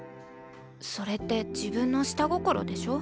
それって自分の下心でしょ？